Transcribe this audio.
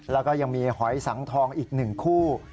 แล้วก็ยังมีหอยสังทองอีก๑คู่